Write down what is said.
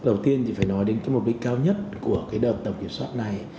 đầu tiên thì phải nói đến cái mục đích cao nhất của cái đợt tổng kiểm soát này